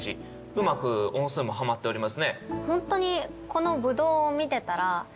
うまく音数もハマっておりますね。